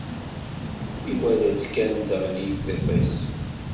Iwala-tt kan, teɣli-d tiṭ-is.